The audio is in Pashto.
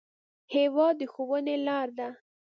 هېواد د ښوونې لار ده.